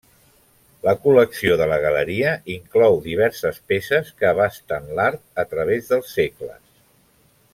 La col·lecció de la galeria inclou diverses peces que abasten l'art a través dels segles.